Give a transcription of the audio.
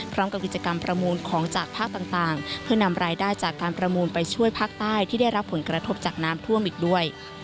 พร้อมกับกิจกรรมประมูลของจากภาคต่างเพื่อนำรายได้จากการประมูลไปช่วยภาคใต้ที่ได้รับผลกระทบจากน้ำท่วมอีกด้วย